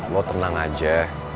lo tenang aja